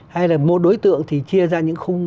hay là một đối tượng thì chia ra những khung